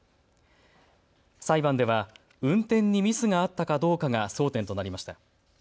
裁判では運転にミスがあったかどうかが争点となりました。